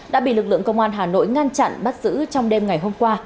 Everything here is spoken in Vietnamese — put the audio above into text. đã bị lực lượng công an hà nội ngăn chặn bắt giữ trong đêm ngày hôm qua